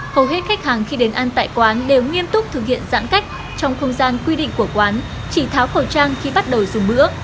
hầu hết khách hàng khi đến ăn tại quán đều nghiêm túc thực hiện giãn cách trong không gian quy định của quán chỉ tháo khẩu trang khi bắt đầu dùng bữa